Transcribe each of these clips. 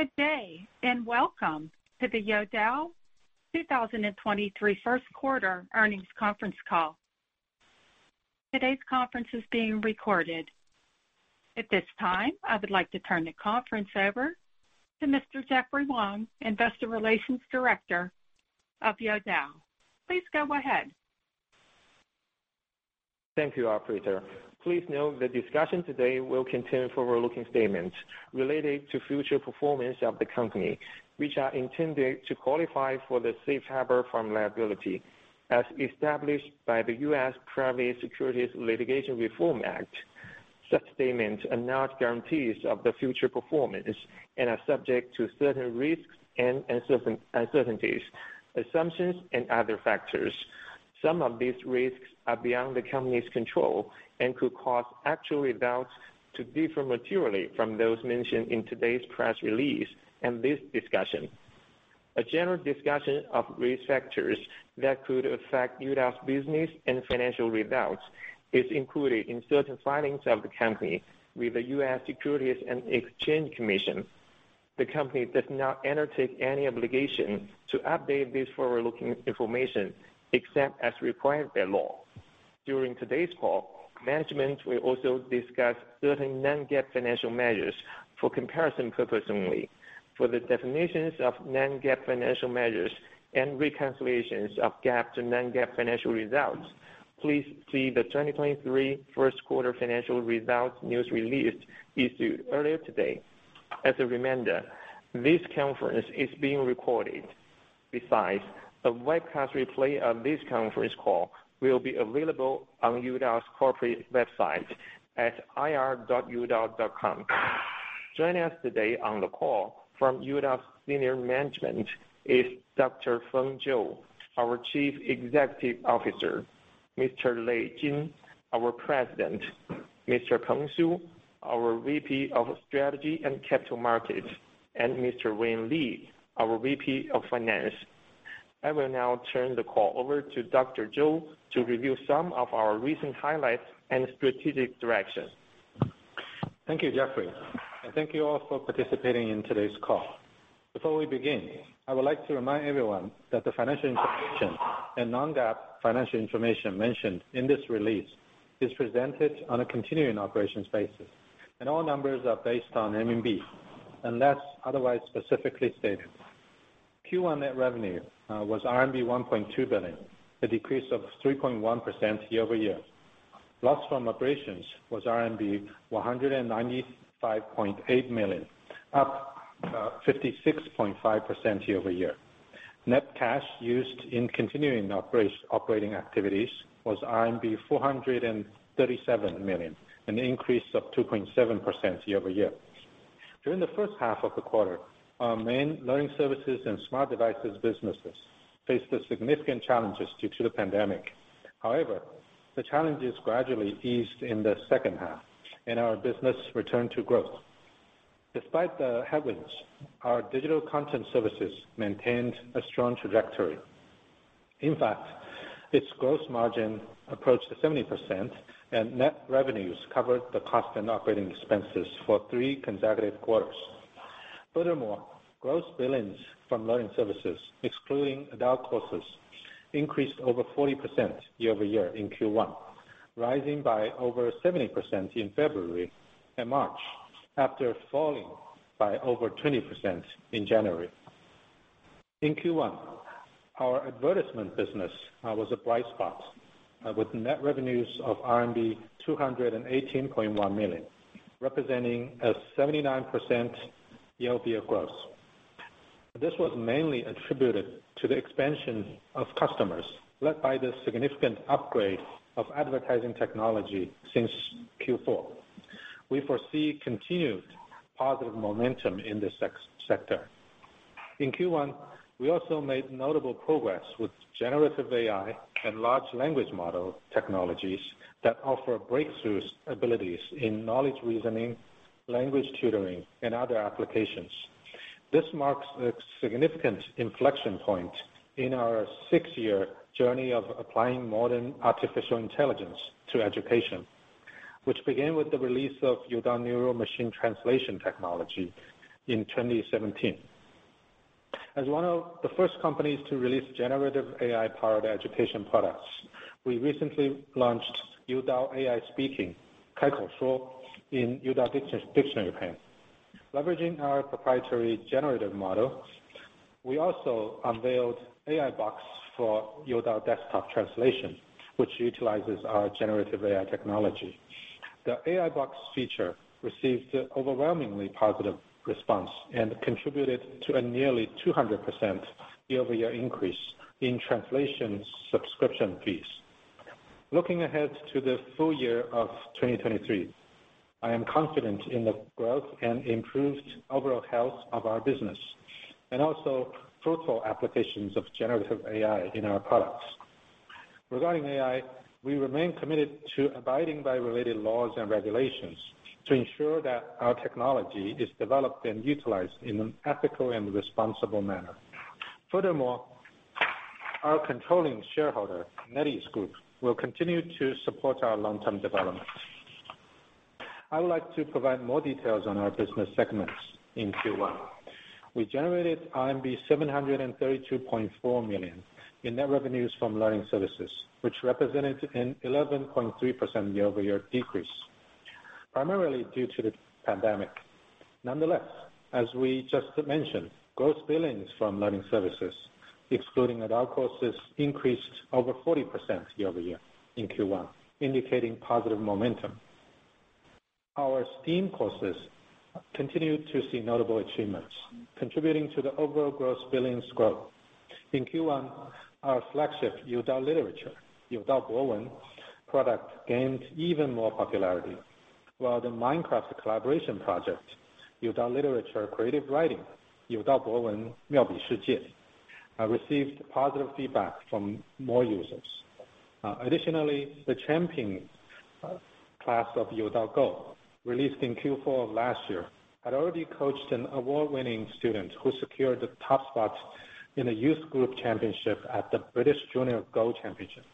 Good day, welcome to the Youdao 2023 first quarter earnings conference call. Today's conference is being recorded. At this time, I would like to turn the conference over to Mr. Jeffrey Wang, Investor Relations Director of Youdao. Please go ahead. Thank you, operator. Please note the discussion today will contain forward-looking statements related to future performance of the company, which are intended to qualify for the safe harbor from liability as established by the U.S. Private Securities Litigation Reform Act. Such statements are not guarantees of the future performance and are subject to certain risks and uncertainties, assumptions, and other factors. Some of these risks are beyond the company's control and could cause actual results to differ materially from those mentioned in today's press release and this discussion. A general discussion of risk factors that could affect Youdao's business and financial results is included in certain filings of the company with the U.S. Securities and Exchange Commission. The company does not undertake any obligation to update this forward-looking information, except as required by law. During today's call, management will also discuss certain non-GAAP financial measures for comparison purposes only. For the definitions of non-GAAP financial measures and reconciliations of GAAP to non-GAAP financial results, please see the 2023 Q1 financial results news release issued earlier today. As a reminder, this conference is being recorded. The webcast replay of this conference call will be available on Youdao's corporate website at ir.youdao.com. Joining us today on the call from Youdao's senior management is Dr. Feng Zhou, our Chief Executive Officer, Mr. Lei Jin, our President, Mr. Peng Su, our VP of Strategy and Capital Markets, and Mr. Wayne Li, our VP of Finance. I will now turn the call over to Dr. Zhou to review some of our recent highlights and strategic direction. Thank you, Jeffrey, and thank you all for participating in today's call. Before we begin, I would like to remind everyone that the financial information and non-GAAP financial information mentioned in this release is presented on a continuing operations basis, and all numbers are based on RMB, unless otherwise specifically stated. Q1 net revenue was RMB 1.2 billion, a decrease of 3.1% year-over-year. Loss from operations was RMB 195.8 million, up 56.5% year-over-year. Net cash used in continuing operating activities was RMB 437 million, an increase of 2.7% year-over-year. During the first half of the quarter, our main learning services and smart devices businesses faced significant challenges due to the pandemic. The challenges gradually eased in the second half, and our business returned to growth. Despite the headwinds, our digital content services maintained a strong trajectory. In fact, its gross margin approached 70%, and net revenues covered the cost and operating expenses for three consecutive quarters. Gross billings from learning services, excluding adult courses, increased over 40% year-over-year in Q1, rising by over 70% in February and March, after falling by over 20% in January. In Q1, our advertisement business was a bright spot, with net revenues of RMB 218.1 million, representing a 79% year-over-year growth. This was mainly attributed to the expansion of customers, led by the significant upgrade of advertising technology since Q4. We foresee continued positive momentum in this sector. In Q1, we also made notable progress with generative AI and large language model technologies that offer breakthrough abilities in knowledge reasoning, language tutoring, and other applications. This marks a significant inflection point in our six-year journey of applying modern artificial intelligence to education, which began with the release of Youdao Neural Machine Translation technology in 2017. As one of the first companies to release generative AI-powered education products, we recently launched Youdao AI Speaking in Youdao Dictionary Pen. Leveraging our proprietary generative model, we also unveiled AI Box for Youdao Desktop Translation, which utilizes our generative AI technology. The AI Box feature received an overwhelmingly positive response and contributed to a nearly 200% year-over-year increase in translation subscription fees. Looking ahead to the full year of 2023, I am confident in the growth and improved overall health of our business, and also fruitful applications of generative AI in our products. Our controlling shareholder, NetEase Group, will continue to support our long-term development. I would like to provide more details on our business segments in Q1. We generated RMB 732.4 million in net revenues from learning services, which represented an 11.3% year-over-year decrease, primarily due to the pandemic. Nonetheless, as we just mentioned, gross billings from learning services, excluding adult courses, increased over 40% year-over-year in Q1, indicating positive momentum. Our STEAM courses continued to see notable achievements, contributing to the overall gross billings growth. In Q1, our flagship, Youdao Literature, Youdao Guowen product, gained even more popularity, while the Minecraft collaboration project, Youdao Literature Creative Writing, Youdao Guowen Miaobi Shijie received positive feedback from more users. Additionally, the champion class of Youdao Go, released in Q4 of last year, had already coached an award-winning student who secured the top spot in a youth group championship at the British Youth Go Championship.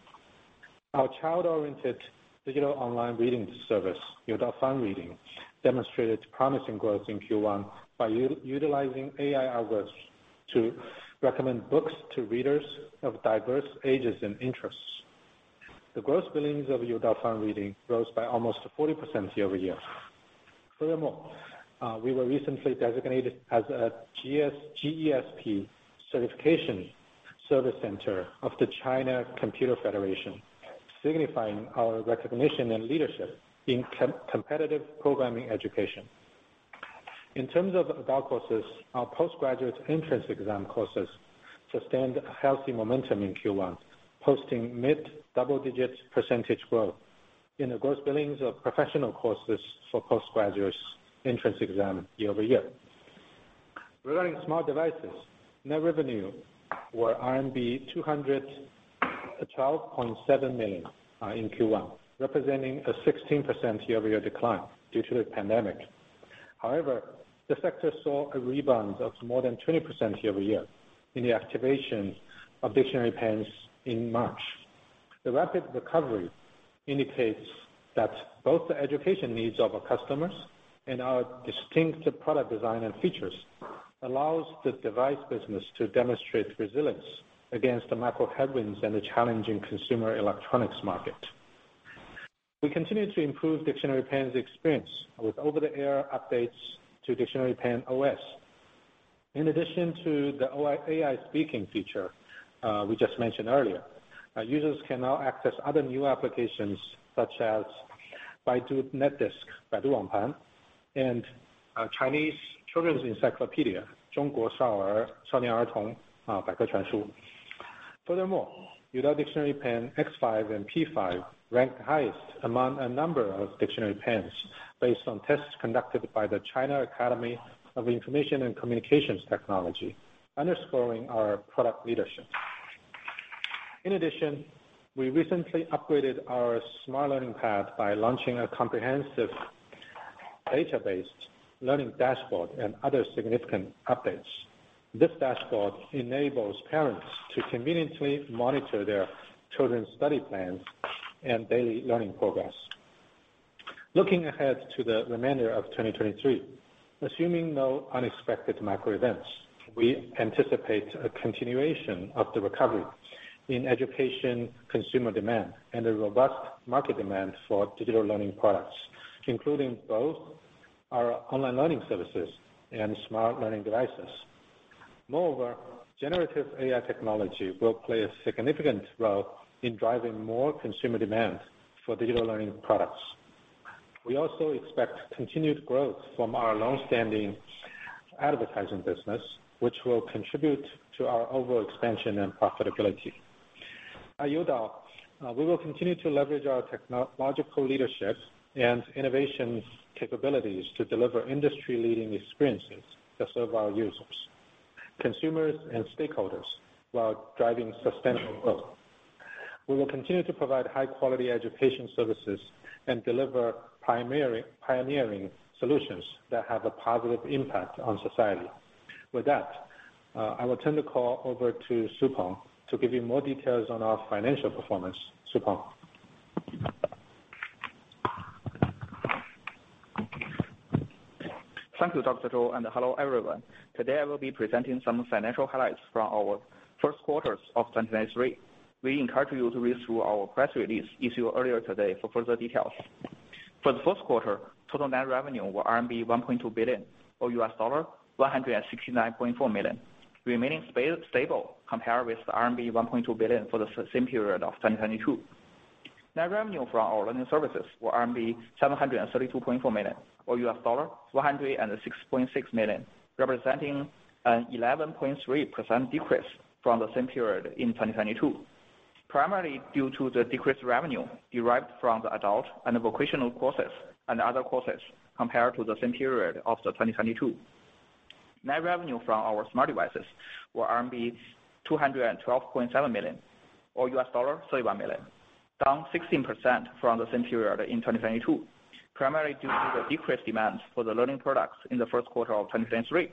Our child-oriented digital online reading service, Youdao Fun Reading, demonstrated promising growth in Q1 by utilizing AI algorithms to recommend books to readers of diverse ages and interests. The gross billings of Youdao Fun Reading rose by almost 40% year-over-year. Furthermore, we were recently designated as a GESP certification service center of the China Computer Federation, signifying our recognition and leadership in competitive programming education. In terms of adult courses, our postgraduate entrance exam courses sustained a healthy momentum in Q1, posting mid-double-digit % growth in the gross billings of professional courses for postgraduates entrance exam year-over-year. Regarding smart devices, net revenue were RMB 212.7 million in Q1, representing a 16% year-over-year decline due to the pandemic. The sector saw a rebound of more than 20% year-over-year in the activation of dictionary pens in March. The rapid recovery indicates that both the education needs of our customers and our distinctive product design and features allows the device business to demonstrate resilience against the macro headwinds and the challenging consumer electronics market. We continue to improve Dictionary Pen experience with over-the-air updates to Youdao Dictionary Pen OS. In addition to the Youdao AI Speaking feature we just mentioned earlier, our users can now access other new applications, such as Baidu Netdisk, Baidu Wangpan, and Chinese Children's Encyclopedia, Zhongguo Shaonian Ertong Baike Chuanshu. Furthermore, Youdao Dictionary Pen X5 and P5 ranked highest among a number of dictionary pens based on tests conducted by the China Academy of Information and Communications Technology, underscoring our product leadership. In addition, we recently upgraded our smart learning pad by launching a comprehensive data-based learning dashboard and other significant updates. This dashboard enables parents to conveniently monitor their children's study plans and daily learning progress. Looking ahead to the remainder of 2023, assuming no unexpected macro events, we anticipate a continuation of the recovery in education, consumer demand, and a robust market demand for digital learning products, including both our online learning services and smart learning devices. Moreover, generative AI technology will play a significant role in driving more consumer demand for digital learning products. We also expect continued growth from our long-standing advertising business, which will contribute to our overall expansion and profitability. At Youdao, we will continue to leverage our technological leadership and innovation capabilities to deliver industry-leading experiences that serve our users, consumers, and stakeholders, while driving sustainable growth. We will continue to provide high-quality education services and deliver pioneering solutions that have a positive impact on society. With that, I will turn the call over to Su Peng to give you more details on our financial performance. Su Peng? Thank you, Dr. Zhou, and hello, everyone. Today, I will be presenting some financial highlights from our Q1 of 2023. We encourage you to read through our press release issued earlier today for further details. For the Q1, total net revenue were RMB 1.2 billion, or $169.4 million, remaining stable compared with the RMB 1.2 billion for the same period of 2022. Net revenue from our learning services were RMB 732.4 million, or $106.6 million, representing an 11.3% decrease from the same period in 2022, primarily due to the decreased revenue derived from the adult and the vocational courses and other courses compared to the same period of 2022. Net revenue from our smart devices was RMB 212.7 million, or $31 million, down 16% from the same period in 2022, primarily due to the decreased demand for the learning products in the Q1 of 2023.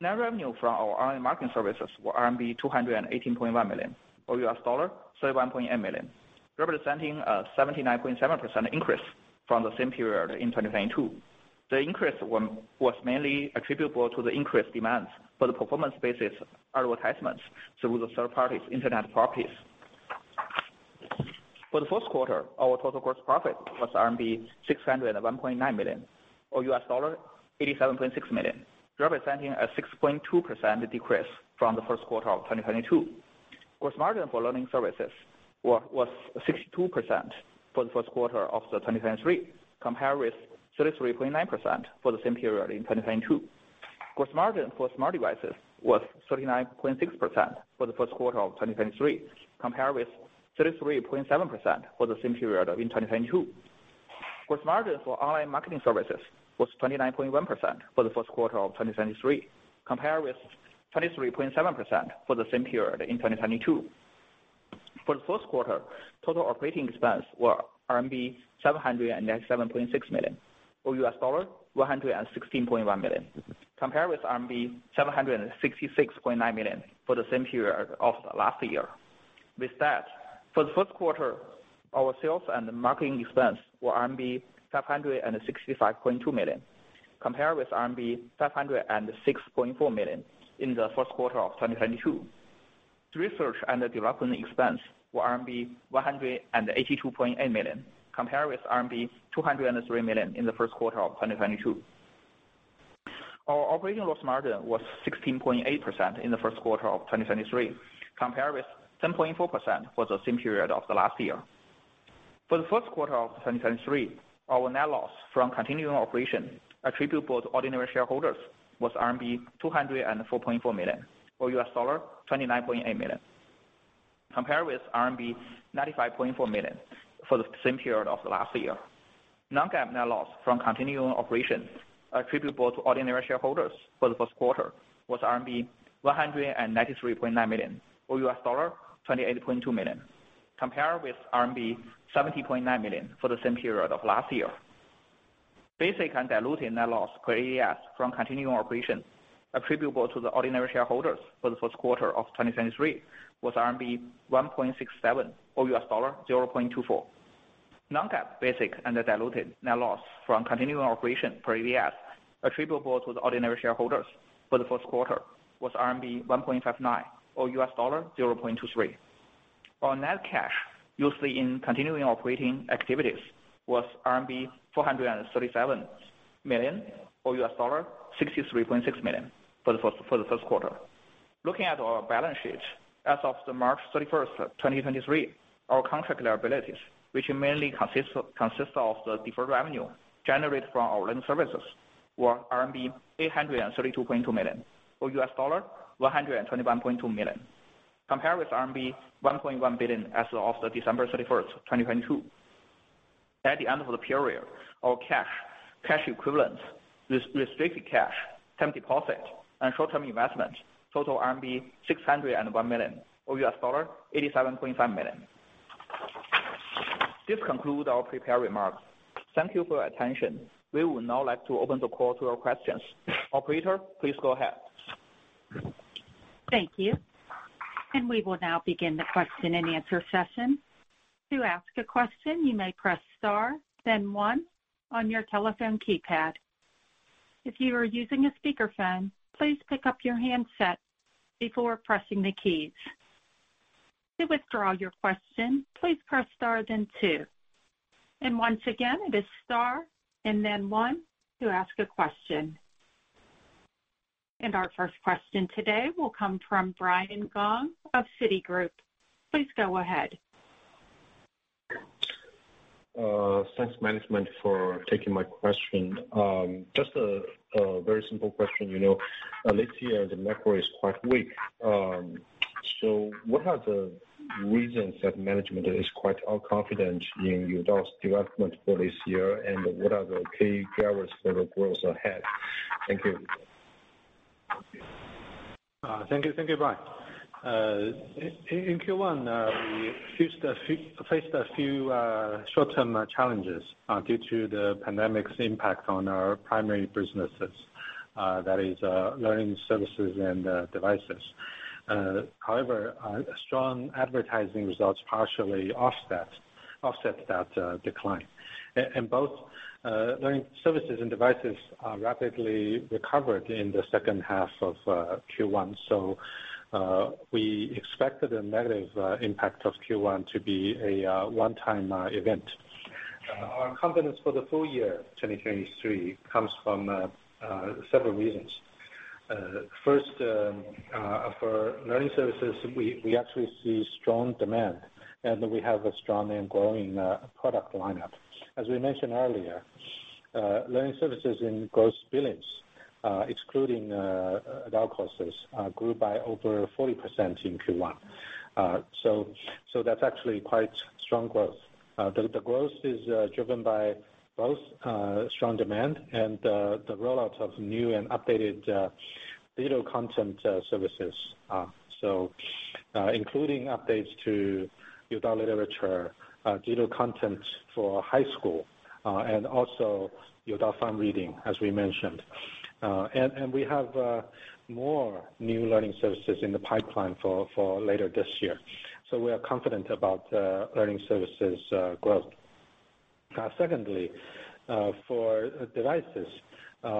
Net revenue from our online marketing services was RMB 218.1 million, or $31.8 million, representing a 79.7% increase from the same period in 2022. The increase was mainly attributable to the increased demands for the performance-based advertisements through the third party's internet properties. For the Q1, our total gross profit was RMB 601.9 million, or $87.6 million, representing a 6.2% decrease from the Q1 of 2022. Gross margin for learning services was 62% for the Q1 of 2023, compared with 33.9% for the same period in 2022. Gross margin for smart devices was 39.6% for the Q1 of 2023, compared with 33.7% for the same period in 2022. Gross margin for online marketing services was 29.1% for the Q1 of 2023, compared with 23.7% for the same period in 2022. For the Q1, total operating expenses were RMB 797.6 million, or $116.1 million, compared with RMB 766.9 million for the same period of last year. With that, for the Q1, our sales and marketing expenses were RMB 565.2 million, compared with RMB 506.4 million in the Q1 of 2022. The research and the development expense were RMB 182.8 million, compared with RMB 203 million in the Q1 of 2022. Our operating loss margin was 16.8% in the Q1 of 2023, compared with 10.4% for the same period of last year. For the Q1 of 2023, our net loss from continuing operation attributable to ordinary shareholders was RMB 204.4 million, or $29.8 million. Compared with RMB 95.4 million for the same period of last year. Non-GAAP net loss from continuing operations attributable to ordinary shareholders for the Q1 was RMB 193.9 million, or $28.2 million, compared with RMB 70.9 million for the same period of last year. Basic and diluted net loss per ADS from continuing operations attributable to the ordinary shareholders for the Q1 of 2023 was RMB 1.67, or $0.24. Non-GAAP basic and diluted net loss from continuing operation per ADS attributable to the ordinary shareholders for the Q1 was RMB 1.59, or $0.23. Our net cash used in continuing operating activities was RMB 437 million, or $63.6 million for the Q1. Looking at our balance sheet, as of March 31, 2023, our contract liabilities, which mainly consists of the deferred revenue generated from our learning services, were RMB 832.2 million, or $121.2 million, compared with RMB 1.1 billion as of December 31, 2022. At the end of the period, our cash equivalent, restricted cash, term deposit, and short-term investment, total RMB 601 million, or $87.5 million. This concludes our prepared remarks. Thank you for your attention. We would now like to open the call to your questions. Operator, please go ahead. Thank you. We will now begin the question and answer session. To ask a question, you may press star, then one on your telephone keypad. If you are using a speakerphone, please pick up your handset before pressing the keys. To withdraw your question, please press star, then two. Once again, it is star and then one to ask a question. Our first question today will come from Brian Gong of Citigroup. Please go ahead. Thanks, management, for taking my question. Just a very simple question. You know, this year the macro is quite weak. What are the reasons that management is quite all confident in Youdao's development for this year? What are the key drivers for the growth ahead? Thank you. Thank you. Thank you, Brian. In Q1, we faced a few short-term challenges due to the pandemic's impact on our primary businesses, that is, learning services and devices. However, strong advertising results partially offsets that decline. Both learning services and devices rapidly recovered in the second half of Q1. We expected a negative impact of Q1 to be a one-time event. Our confidence for the full year 2023 comes from several reasons. First, for learning services, we actually see strong demand, and we have a strong and growing product lineup. As we mentioned earlier, learning services in gross billings, excluding adult courses, grew by over 40% in Q1. That's actually quite strong growth. The growth is driven by both strong demand and the rollout of new and updated devices.... digital content services. Including updates to Youdao Literature, digital content for high school, and also Youdao Fun Reading, as we mentioned. We have more new learning services in the pipeline for later this year, so we are confident about learning services growth. Secondly, for devices,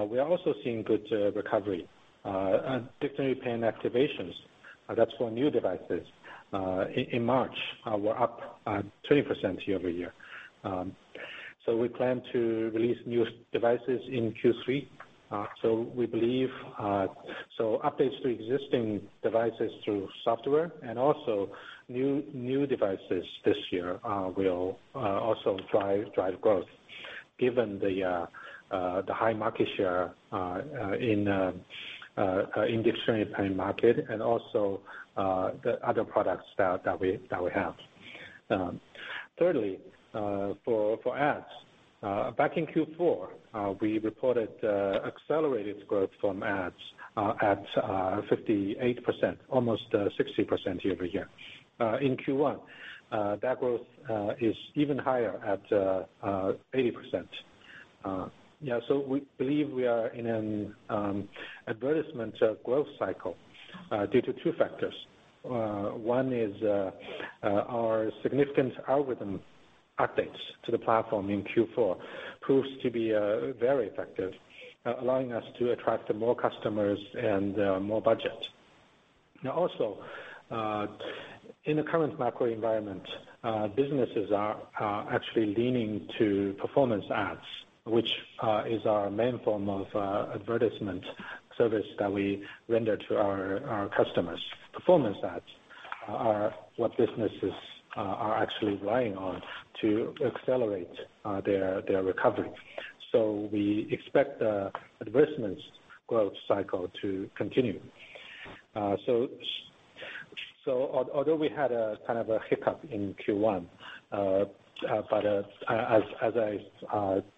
we are also seeing good recovery and Dictionary Pen activations. That's for new devices. In March, we're up 20% year-over-year. We plan to release new devices in Q3. We believe updates to existing devices through software and also new devices this year will also drive growth given the high market share in Dictionary Pen market and also the other products that we have. Thirdly, for ads, back in Q4, we reported accelerated growth from ads at 58%, almost 60% year-over-year. In Q1, that growth is even higher at 80%. We believe we are in an advertisement growth cycle due to two factors. One is, our significant algorithm updates to the platform in Q4 proves to be very effective, allowing us to attract more customers and more budget. Also, in the current macro environment, businesses are actually leaning to performance ads, which is our main form of advertisement service that we render to our customers. Performance ads are what businesses are actually relying on to accelerate their recovery. We expect the advertisements growth cycle to continue. Although we had a kind of a hiccup in Q1, as I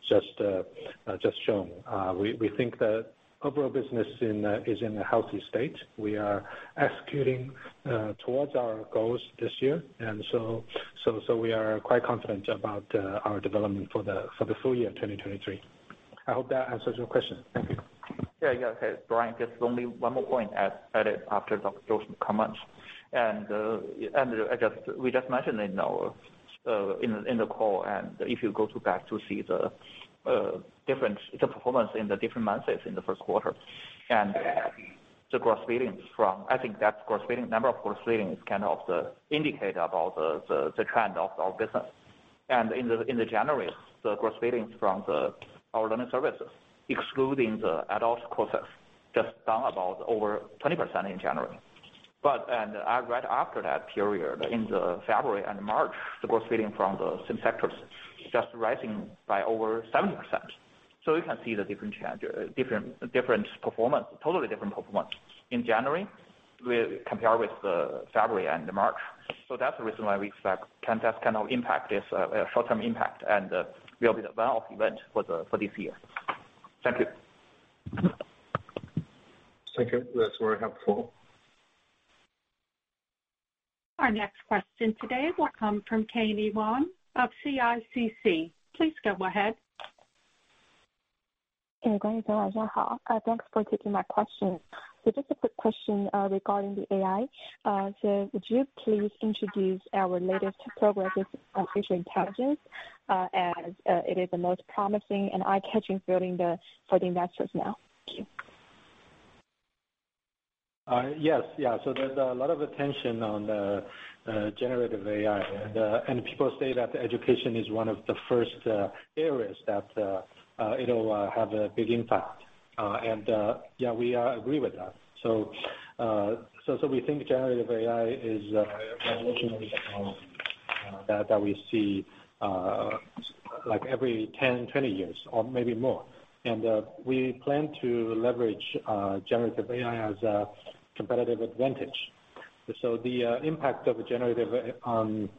just shown, we think the overall business is in a healthy state. We are executing towards our goals this year, so we are quite confident about our development for the full year 2023. I hope that answers your question. Thank you. Yeah. Yeah. Okay, Brian, just only one more point at it after those comments. We just mentioned in our in the call, and if you go to back to see the difference, the performance in the different months in the Q1 and the gross billings from... I think that gross billings, number of gross billings is kind of the indicator about the trend of our business. In January, the gross billings from our learning services, excluding the adult courses, just down about over 20% in January. Right after that period, in February and March, the gross billings from the same sectors just rising by over 70%. You can see the different change, different performance, totally different performance in January with compared with the February and March. That's the reason why we expect contest kind of impact, this short-term impact, we'll be well event for the, for this year. Thank you. Thank you. That's very helpful. Our next question today will come from Thomas Chong of CICC. Please go ahead. Thanks for taking my question. Just a quick question regarding the AI. Would you please introduce our latest progresses on artificial intelligence? As it is the most promising and eye-catching field for the investors now. Thank you. There's a lot of attention on the Generative AI. People say that education is one of the first areas that it'll have a big impact. We agree with that. We think Generative AI is that we see like every 10, 20 years or maybe more. We plan to leverage Generative AI as a competitive advantage. The impact of Generative AI on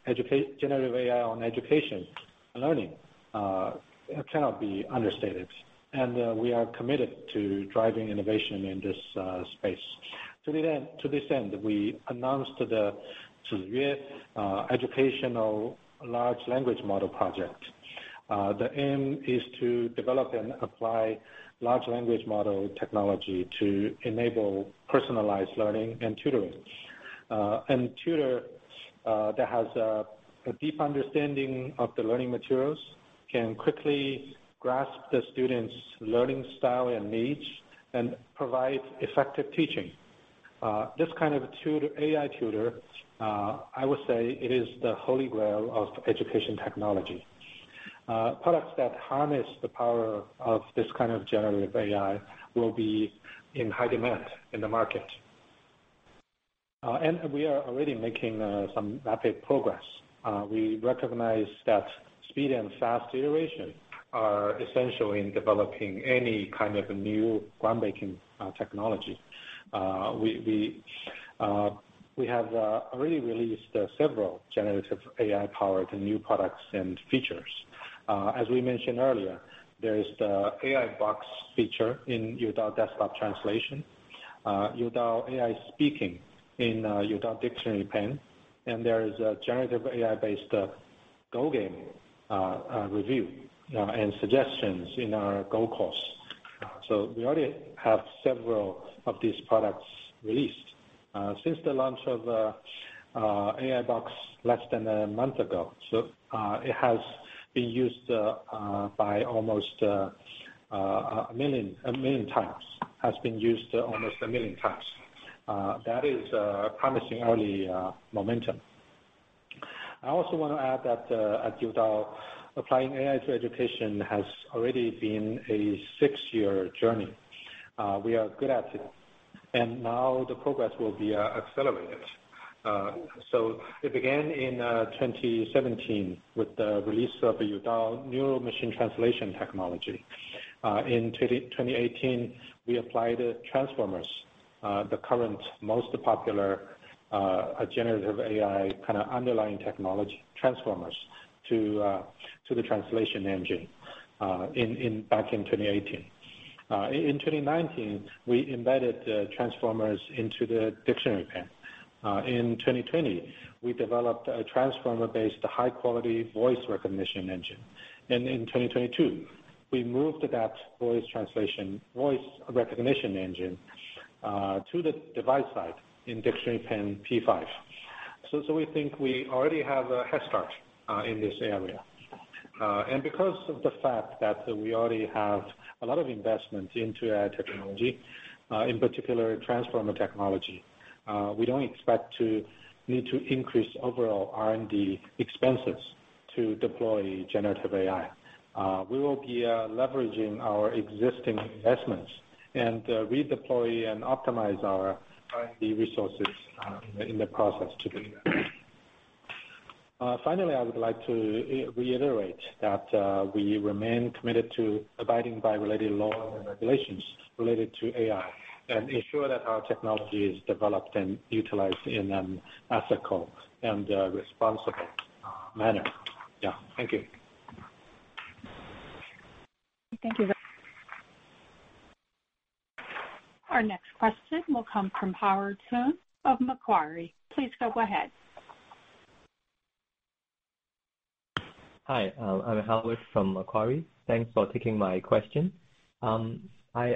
education and learning cannot be understated, and we are committed to driving innovation in this space. To this end, we announced the educational Large Language Model project. The aim is to develop and apply Large Language Model technology to enable personalized learning and tutoring. Tutor that has a deep understanding of the learning materials, can quickly grasp the student's learning style and needs and provide effective teaching. This kind of tutor, AI tutor, I would say it is the holy grail of education technology. Products that harness the power of this kind of generative AI will be in high demand in the market. We are already making some rapid progress. We recognize that speed and fast iteration are essential in developing any kind of new groundbreaking technology. We have already released several generative AI-powered new products and features. ned earlier, there is the AI Box feature in Youdao Desktop Translation, Youdao AI Speaking in Youdao Dictionary Pen, and there is a generative AI-based Go game review and suggestions in our Go course. We already have several of these products released since the launch of AI Box less than a month ago. It has been used almost a million times. That is promising early momentum. I also want to add that at Youdao, applying AI to education has already been a six year journey. We are good at it, and now the progress will be accelerated. It began in 2017 with the release of the Youdao Neural Machine Translation technology. In 2018, we applied Transformers, the current most popular generative AI, kind of underlying technology, Transformers, to the translation engine in back in 2018. In 2019, we embedded the Transformers into the Dictionary Pen. In 2020, we developed a Transformer-based high-quality voice recognition engine. In 2022, we moved that voice translation, voice recognition engine to the device side in Dictionary Pen P5. We think we already have a head start in this area. Because of the fact that we already have a lot of investment into our technology, in particular Transformer technology, we don't expect to need to increase overall R&D expenses to deploy generative AI. We will be leveraging our existing investments and redeploy and optimize our R&D resources in the process to do that. Finally, I would like to reiterate that we remain committed to abiding by related laws and regulations related to AI, and ensure that our technology is developed and utilized in an ethical and responsible manner. Yeah, thank you. Thank you very-. Our next question will come from Howard Tan of Macquarie. Please go ahead. Hi, I'm Howard from Macquarie. Thanks for taking my question. I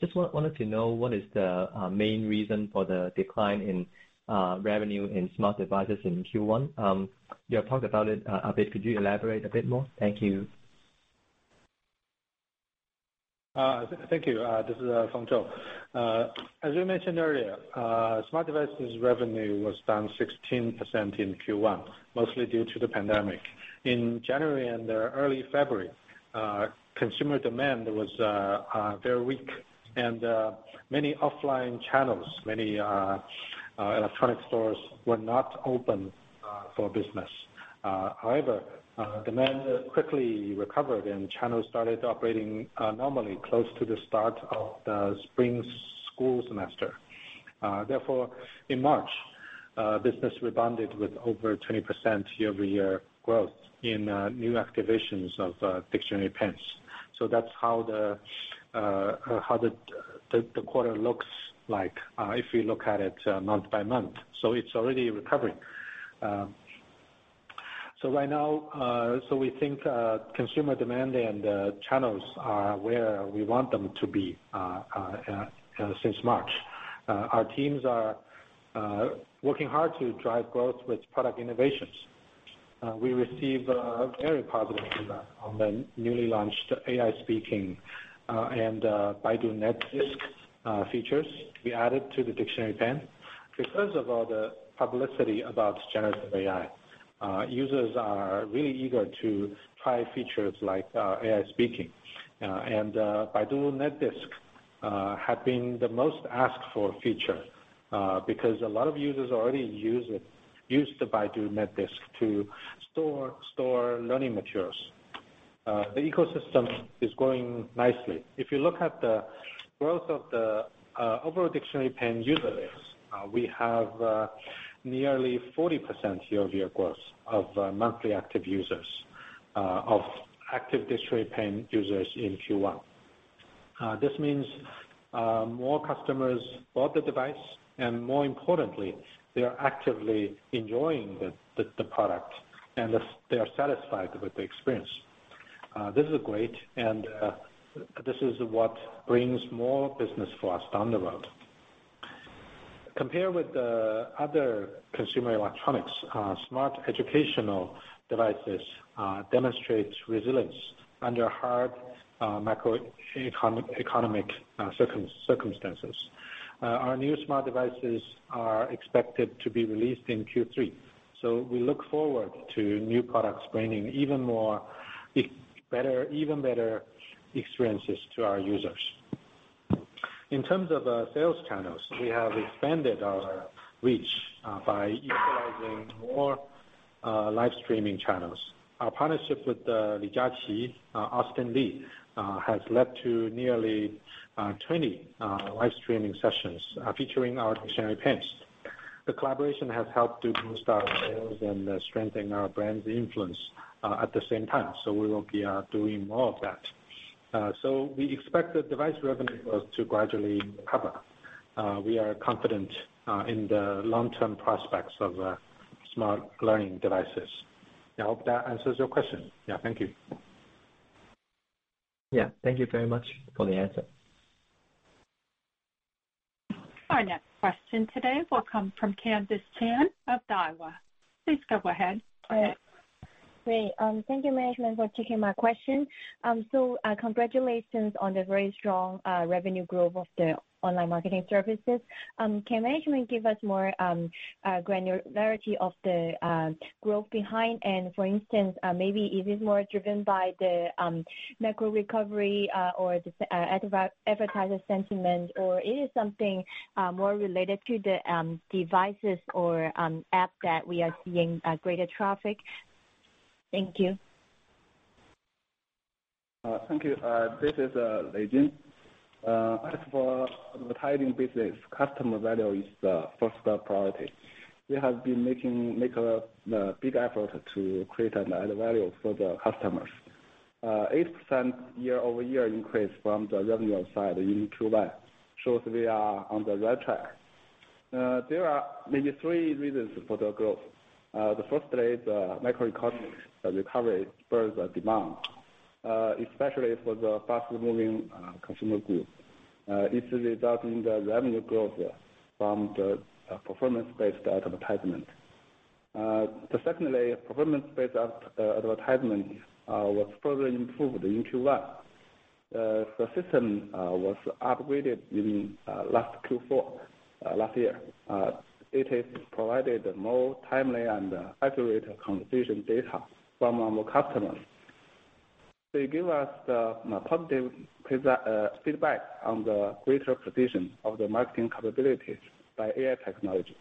just wanted to know what is the main reason for the decline in revenue in smart devices in Q1? You have talked about it a bit. Could you elaborate a bit more? Thank you. Thank you. This is Feng Zhou. As we mentioned earlier, smart devices revenue was down 16% in Q1, mostly due to the pandemic. In January and early February, consumer demand was very weak, and many offline channels, many electronic stores were not open for business. However, demand quickly recovered, and channels started operating normally close to the start of the spring school semester. Therefore, in March, business rebounded with over 20% year-over-year growth in new activations of dictionary pens. That's how the quarter looks like, if you look at it month-by-month, so it's already recovering. Right now, we think consumer demand and channels are where we want them to be since March. Our teams are working hard to drive growth with product innovations. We receive very positive feedback on the newly launched AI Speaking and Baidu Netdisk features we added to the Dictionary Pen. Because of all the publicity about generative AI, users are really eager to try features like AI Speaking. Baidu Netdisk have been the most asked for feature because a lot of users already use the Baidu Netdisk to store learning materials. The ecosystem is growing nicely. If you look at the growth of the overall dictionary pen user base, we have nearly 40% year-over-year growth of monthly active users of active dictionary pen users in Q1. This means more customers bought the device, and more importantly, they are actively enjoying the product, and they are satisfied with the experience. This is great, and this is what brings more business for us down the road. Compare with the other consumer electronics, smart educational devices demonstrates resilience under hard macro economic circumstances. Our new smart devices are expected to be released in Q3, so we look forward to new products bringing even more better, even better experiences to our users. In terms of sales channels, we have expanded our reach by utilizing more live streaming channels. Our partnership with Li Jiaqi, Austin Li, has led to nearly 20 live streaming sessions featuring our Dictionary Pens. The collaboration has helped to boost our sales and strengthen our brand's influence at the same time. We will be doing more of that. We expect the device revenue growth to gradually recover. We are confident in the long-term prospects of smart learning devices. I hope that answers your question. Yeah, thank you. Yeah, thank you very much for the answer. Our next question today will come from Candis Chan of Daiwa. Please go ahead. Great. Thank you, management, for taking my question. Congratulations on the very strong revenue growth of the online marketing services. Can management give us more granularity of the growth behind? For instance, maybe is it more driven by the macro recovery or the advertiser sentiment, or it is something more related to the devices or app that we are seeing greater traffic? Thank you. Thank you. This is Lei Jin. As for advertising business, customer value is the first priority. We have been make a big effort to create an added value for the customers. 8% year-over-year increase from the revenue side in Q1 shows we are on the right track. There are maybe three reasons for the growth. The first is macro economy recovery spurs the demand, especially for the fast-moving consumer group. It's resulting in the revenue growth from the performance-based advertisement. Secondly, performance-based advertisement was further improved in Q1. The system was upgraded in last Q4 last year. It has provided more timely and accurate conversion data from our customers. They give us the positive feedback on the greater precision of the marketing capabilities by AI technology.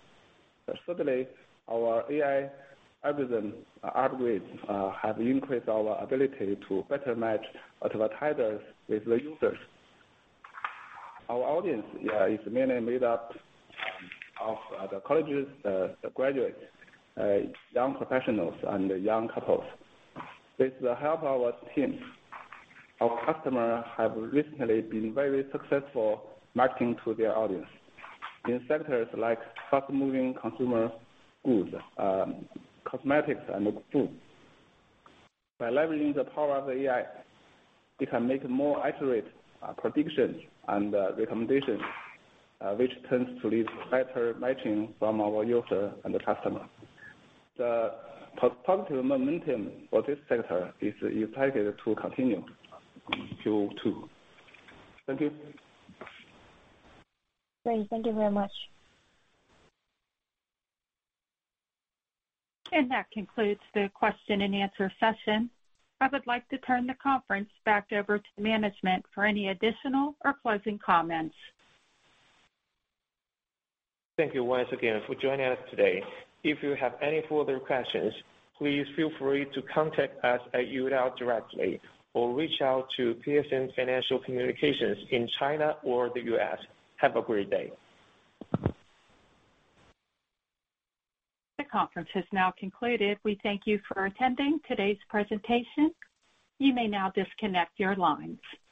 Thirdly, our AI algorithm upgrades have increased our ability to better match advertisers with the users. Our audience is mainly made up of the colleges, the graduates, young professionals and young couples. With the help of our teams, our customers have recently been very successful marketing to their audience in sectors like fast-moving consumer goods, cosmetics and food. By leveraging the power of AI, we can make more accurate predictions and recommendations, which tends to lead to better matching from our user and the customer. The positive momentum for this sector is expected to continue in Q2. Thank you. Great. Thank you very much. That concludes the question and answer session. I would like to turn the conference back over to management for any additional or closing comments. Thank you once again for joining us today. If you have any further questions, please feel free to contact us at Youdao directly, or reach out to The Piacente Group, Inc. in China or the U.S. Have a great day. The conference has now concluded. We thank you for attending today's presentation. You may now disconnect your lines.